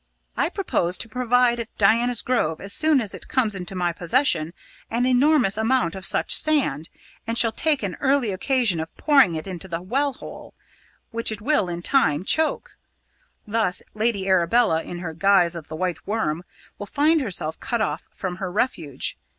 "I propose to provide at Diana's Grove, as soon as it comes into my possession, an enormous amount of such sand, and shall take an early occasion of pouring it into the well hole, which it will in time choke. Thus Lady Arabella, in her guise of the White Worm, will find herself cut off from her refuge.